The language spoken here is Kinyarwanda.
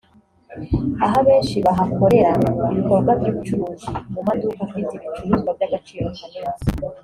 aho abenshi bahakorera ibikorwa by’ubucuruzi mu maduka afite ibicuruzwa by’agaciro kanini